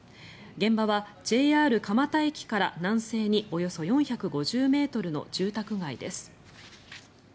現場はＪＲ蒲田駅から南西におよそ４５０ｍの住宅街です。